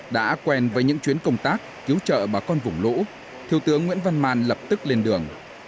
đã quen với những chuyến công tác cứu trợ bà con vùng lũ thiếu tướng nguyễn văn màn lập tức lên đường